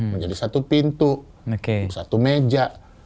menjadi satu pintu satu meja